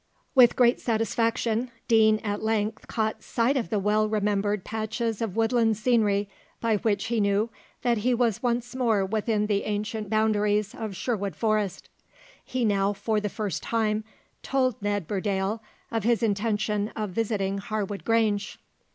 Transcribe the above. With great satisfaction Deane at length caught sight of the well remembered patches of woodland scenery by which he knew that he was once more within the ancient boundaries of Sherwood Forest. He now, for the first time, told Ned Burdale of his intention of visiting Harwood Grange.